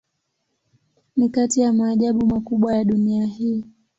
Ni kati ya maajabu makubwa ya dunia hii.